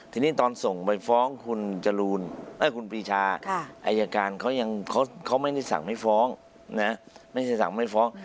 ทีนี้ตอนส่งไปฟ้องคุณจรูลคุณปีชาอายการเขายังไม่ได้สั่งให้ฟ้อง